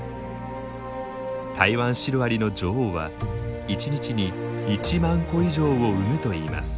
タイワンシロアリの女王は１日に１万個以上を産むといいます。